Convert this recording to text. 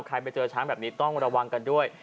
ไปเจอช้างแบบนี้ต้องระวังกันด้วย